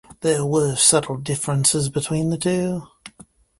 There were subtle differences between the two.